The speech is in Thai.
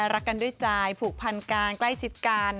รักกันด้วยใจผูกพันกันใกล้ชิดกัน